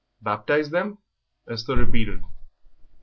"Baptise them?" Esther repeated.